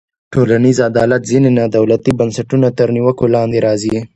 د ټولنیز عدالت ځینې نا دولتي بنسټونه تر نیوکو لاندې راځي.